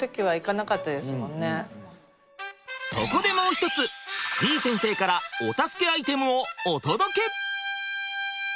そこでもう一つてぃ先生からお助けアイテムをお届け！